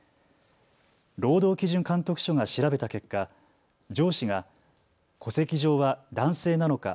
労働基準監督署が調べた結果、上司が戸籍上は男性なのか